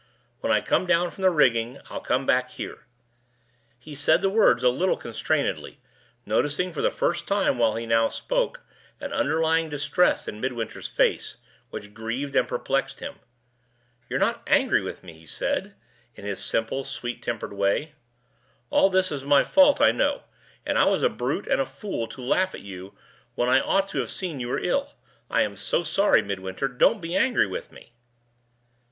"When I come down from the rigging, I'll come back here." He said the words a little constrainedly, noticing, for the first time while he now spoke, an underlying distress in Midwinter's face, which grieved and perplexed him. "You're not angry with me?" he said, in his simple, sweet tempered way. "All this is my fault, I know; and I was a brute and a fool to laugh at you, when I ought to have seen you were ill. I am so sorry, Midwinter. Don't be angry with me!"